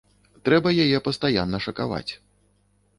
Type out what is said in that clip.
Трэба яе пастаянна шакаваць.